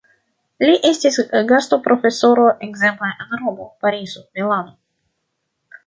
Li estis gastoprofesoro ekzemple en Romo, Parizo, Milano.